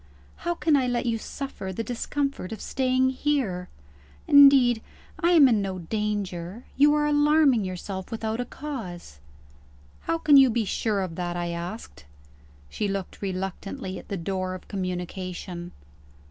How can I let you suffer the discomfort of staying here? Indeed, I am in no danger; you are alarming yourself without a cause." "How can you be sure of that?" I asked. She looked reluctantly at the door of communication.